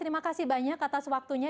terima kasih banyak atas waktunya